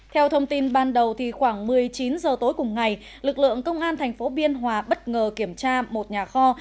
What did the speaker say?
theo thông tin ban đầu khoảng một mươi chín h tối cùng ngày lực lượng công an thành phố biên hòa bất ngờ kiểm tra một nhà kho